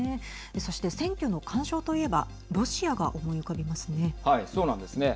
そして選挙の干渉と言えばロシアが思い浮かびますね。